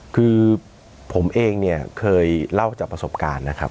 คือผมเองเนี่ยเคยเล่าจากประสบการณ์นะครับ